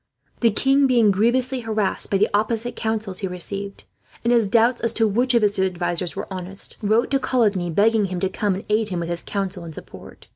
The king, being grievously harassed by the opposite counsels he received, and his doubts as to which of his advisers were honest, wrote to Coligny; begging him to come and aid him, with his counsel and support.